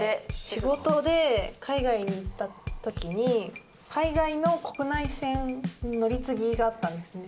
仕事で海外に行ったときに、海外の国内線の乗り継ぎがあったんですよ。